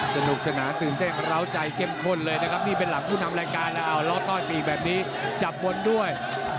สนุกสนานตื่นเต้นร้าวใจเข้มข้นเลยนะครับนี่เป็นหลังผู้นำรายการแล้วเอาล้อต้อยปีกแบบนี้จับบนด้วย